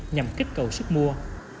nhằm kích cầu sức mua